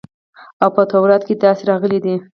او په تورات کښې داسې راغلي دي.